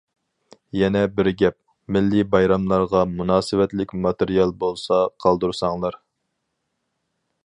يەنە بىر گەپ، مىللىي بايراملارغا مۇناسىۋەتلىك ماتېرىيال بولسا قالدۇرساڭلار.